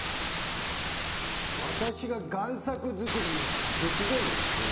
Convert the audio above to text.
私が贋作作りの手伝いをしていると？